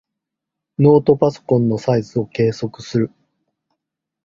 ノートパソコンのサイズを計測する。